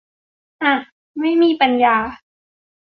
อ่ะ ไม่มีปัญญา